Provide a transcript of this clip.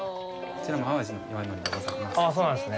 こちらも淡路の岩のりでございます。